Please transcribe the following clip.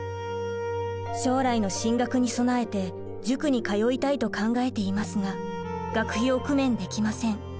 将来の進学に備えて塾に通いたいと考えていますが学費を工面できません。